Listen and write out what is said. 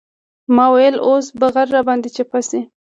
ما ويل اوس به غر راباندې چپه سي.